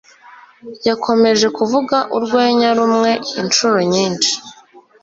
yakomeje kuvuga urwenya rumwe inshuro nyinshi